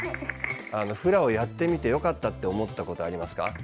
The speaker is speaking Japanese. フラをやってみてよかったと思うことありますか？